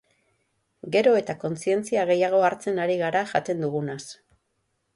Gero eta kontzientzia gehiago hartzen ari gara jaten dugunaz.